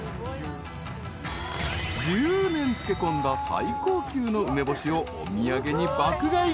［１０年漬け込んだ最高級の梅干しをお土産に爆買い］